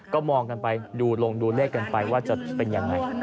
ก็มองกันไปดูลงดูเลขกันไปว่าจะเป็นยังไง